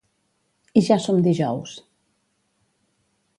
I ja som dijous.